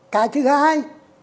cái thứ hai